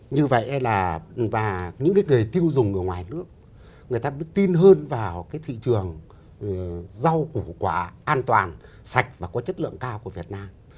như vậy là và những người tiêu dùng ở ngoài nước người ta biết tin hơn vào cái thị trường rau củ quả an toàn sạch và có chất lượng cao của việt nam